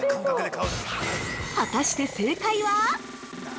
◆果たして正解は。